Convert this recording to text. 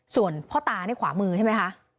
ส่วนพ่อตานี่ขวามือใช่ไหมคะ